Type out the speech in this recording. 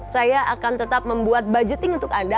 saya akan tetap membuat budgeting untuk anda